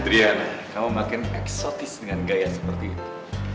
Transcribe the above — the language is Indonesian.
drian kamu makin eksotis dengan gaya seperti itu